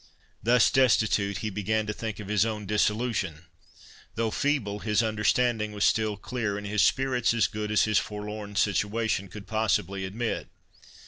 Thus destitute, he began to think of his own dissolution; though feeble, his understanding was still clear, and his spirits as good as his forlorn situation could possibly admit.